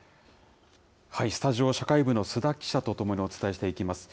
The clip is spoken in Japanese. スタジオ、社会部の須田記者と共にお伝えしていきます。